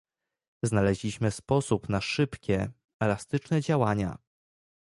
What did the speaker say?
Znaleźliśmy sposób na szybkie, elastyczne działania